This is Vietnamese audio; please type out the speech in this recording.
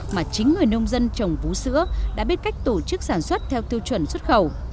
mà chính người nông dân trồng vú sữa đã biết cách tổ chức sản xuất theo tiêu chuẩn xuất khẩu